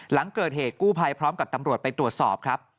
หลังเกิดเหตุกู้ภัยพร้อมกับตำรวจไปตรวจสอบครับ